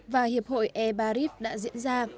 và hiệp hội e paris đã diễn ra